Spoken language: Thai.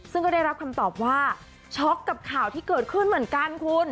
ซึ่งก็ได้รับคำตอบว่าช็อกกับข่าวที่เกิดขึ้นเหมือนกันคุณ